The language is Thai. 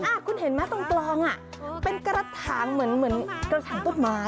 คุณเห็นไหมตรงกลองอ่ะเป็นกระถางเหมือนเหมือนกระถางต้นไม้